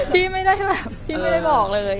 พี่ไม่ได้แบบพี่ไม่ได้บอกเลย